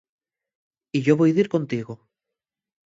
Y yo voi dir contigo.